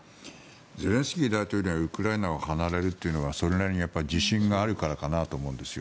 ゼレンスキー大統領がウクライナを離れるというのはそれなりに自信があるからかなと思うんですよ。